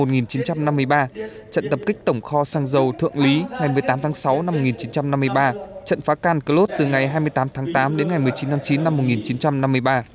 trận tập kích tổng kho sang dầu thượng lý ngày một mươi tám tháng sáu năm một nghìn chín trăm năm mươi ba trận phá can cơ lốt từ ngày hai mươi tám tháng tám đến ngày một mươi chín tháng chín năm một nghìn chín trăm năm mươi ba